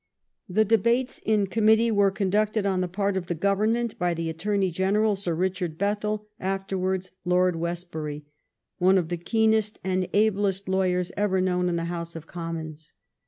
The debates in committee were conducted on the part of the Government by the Attorney Gen eral, Sir Richard Bethell, afterwards Lord West bury, one of the keenest and ablest lawyers ever known in the House of Commons.